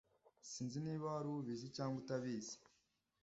Sinzi niba wari ubizi cyangwa utabizi